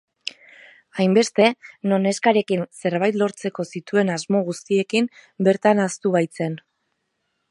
Hainbeste, non neskarekin zerbait lortzeko zituen asmo guztiekin bertan ahaztu baitzen.